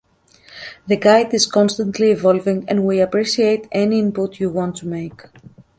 The guide is constantly evolving and we appreciate any input you want to make.